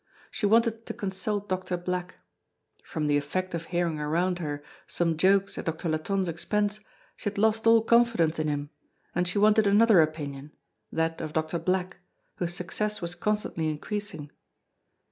She wanted to consult Doctor Black. From the effect of hearing around her some jokes at Doctor Latonne's expense, she had lost all confidence in him, and she wanted another opinion, that of Doctor Black, whose success was constantly increasing.